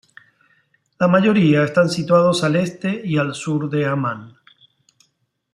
La mayoría están situados al este y al sur de Ammán.